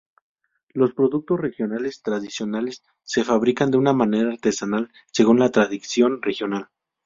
Los productos regionales tradicionales se fabrican de una manera artesanal según la tradición regional.